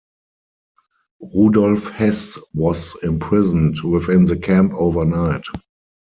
Rudolf Hess was imprisoned within the camp overnight.